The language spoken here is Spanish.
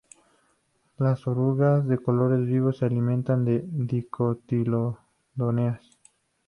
Las orugas, de colores vivos, se alimentan de dicotiledóneas.